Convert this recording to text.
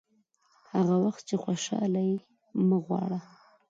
هغه وخت چې خوشاله یې مه غواړه.